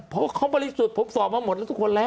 เพราะเขาบริสุทธิ์ผมสอบมาหมดแล้วทุกคนแล้ว